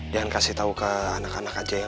jangan kasih tau ke anak anak aja yang lain